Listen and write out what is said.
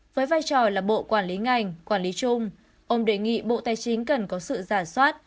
với vai trò là bộ quản lý ngành quản lý chung ông đề nghị bộ tài chính cần có sự giả soát